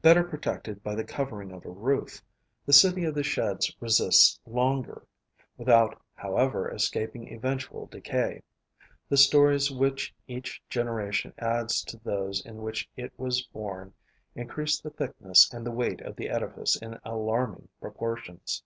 Better protected by the covering of a roof, the city of the sheds resists longer, without however escaping eventual decay. The storeys which each generation adds to those in which it was born increase the thickness and the weight of the edifice in alarming proportions.